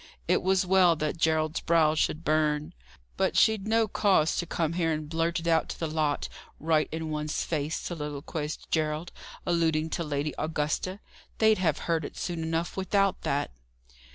It was well that Gerald's brow should burn. "But she'd no cause to come here and blurt it out to the lot, right in one's face!" soliloquized Gerald, alluding to Lady Augusta. "They'd have heard it soon enough, without that."